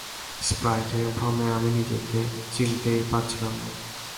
স্প্রাইটের ভ্রমে আমি নিজেকে চিনতেই পারছিলাম না।